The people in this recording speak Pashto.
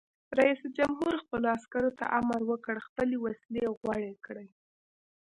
رئیس جمهور خپلو عسکرو ته امر وکړ؛ خپلې وسلې غوړې کړئ!